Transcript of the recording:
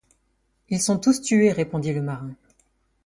Ils sont tous tués, répondit le marin.